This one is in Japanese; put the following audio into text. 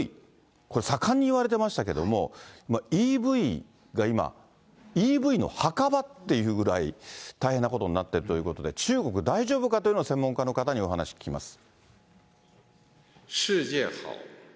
これ、盛んに言われてましたけど、ＥＶが今、ＥＶの墓場っていうぐらい大変なことになってるということで、中国、大丈夫かというのを、専門家の方にお話聞きます。